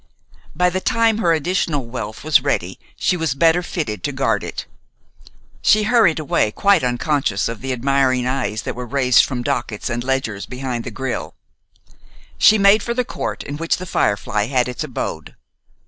By the time her additional wealth was ready she was better fitted to guard it. She hurried away quite unconscious of the admiring eyes that were raised from dockets and ledgers behind the grille. She made for the court in which "The Firefly" had its abode.